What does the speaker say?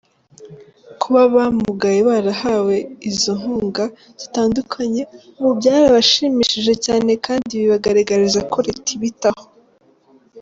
Kuba abamugaye barahawe izo nkunga zitandukanye ngo byarabashimishije cyane, kandi bibagaragariza ko Leta ibitaho.